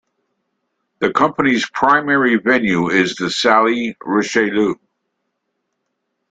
The company's primary venue is the Salle Richelieu.